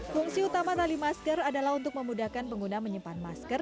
fungsi utama tali masker adalah untuk memudahkan pengguna menyimpan masker